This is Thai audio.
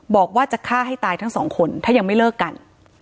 บอกว่าจะฆ่าให้ตายทั้งสองคนถ้ายังไม่เลิกกัน